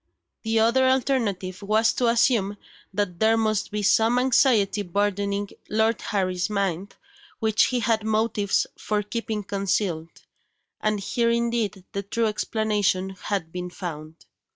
The other alternative was to assume that there must be some anxiety burdening Lord Harry's mind, which he had motives for keeping concealed and here indeed the true explanation had been found.